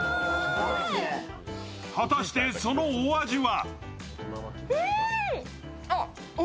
果たしてそのお味は？